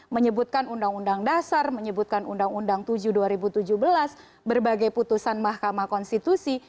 menyebutkan undang undang dasar menyebutkan undang undang tujuh dua ribu tujuh belas berbagai putusan mahkamah konstitusi